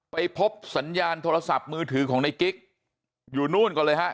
ไปพบสัญญาณโทรศัพท์มือถือของในกิ๊กอยู่นู่นก่อนเลยฮะ